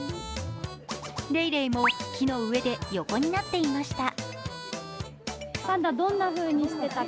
レイレイも木の上で横になっていました。